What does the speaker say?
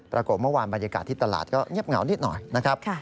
ปรากฏเมื่อวานบรรยากาศที่ตลาดก็เงียบเหงานิดหน่อยนะครับ